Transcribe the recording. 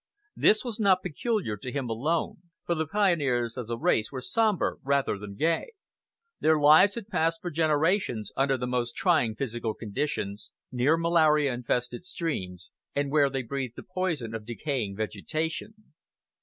This was not peculiar to him alone, for the pioneers as a race were somber rather than gay. Their lives had been passed for generations under the most trying physical conditions, near malaria infested streams, and where they breathed the poison of decaying vegetation.